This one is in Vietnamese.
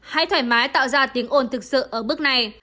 hãy thoải mái tạo ra tiếng ồn thực sự ở bước này